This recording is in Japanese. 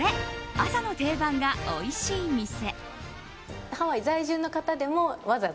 朝の定番がおいしい店。